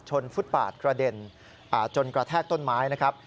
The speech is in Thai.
ฟุตปาดกระเด็นจนกระแทกต้นไม้นะครับ